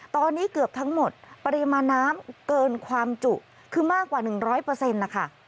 ตอนนี้เกือบทั้งหมดปริมาณน้ำเกินความจุคือมากกว่า๑๐๐นะคะ